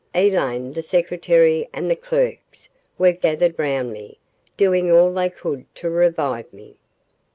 Elaine, the secretary, and the clerks were gathered round me, doing all they could to revive me.